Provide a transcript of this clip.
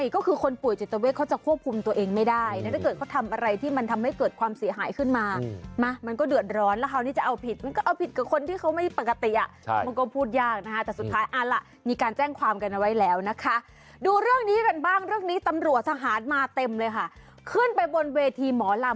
คุณผู้ชมค่ะวันนี้อยากให้ดูอยากให้ติดตามกัน๑ชั่วโมงเต็ม๔โมงหรือ๕โมงเย็น